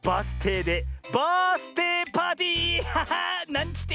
なんちって！